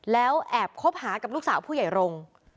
แล้วแอบคบหากับลูกสาวผู้ใหญ่รงค์